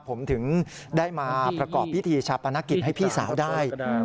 ผมถึงได้มาประกอบพิธีชาปนกิจให้พี่สาวได้